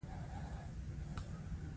ایا دا مجسمې کټ مټ یو شان وې.